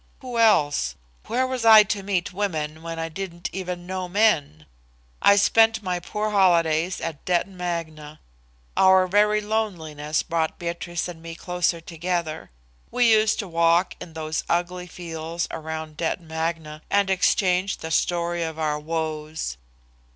Who else? Where was I to meet women when I didn't even know men? I spent my poor holidays at Detton Magna. Our very loneliness brought Beatrice and me closer together. We used to walk in those ugly fields around Detton Magna and exchanged the story of our woes.